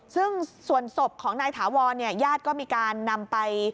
ซึ่งส่วนศพของนายถาวรเนี่ยญาติก็มีการนำไป